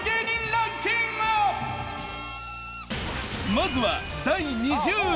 まずは。